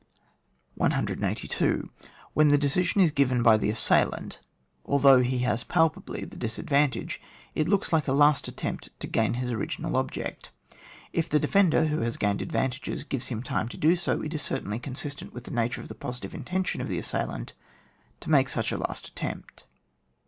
182. When the decision is given by the assailant, although he has palpably GUIDE TO TACTICS, OR THE THEORY OF THE COMBAT. 141 the disadvantage^ it looks like a last attempt to gain his original object. If the defender who has gained advantages gives him time to do so, it is certainly consistent with the nature of the positive intention of the assailant to make such a last attempt.